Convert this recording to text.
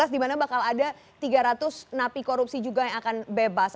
di mana bakal ada tiga ratus napi korupsi juga yang akan bebas